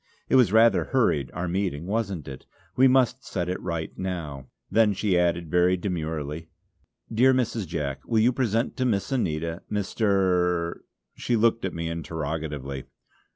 It was rather hurried our meeting; wasn't it? We must set it right now." Then she added very demurely: "Dear Mrs. Jack, will you present to Miss Anita, Mr. " she looked at me interrogatively.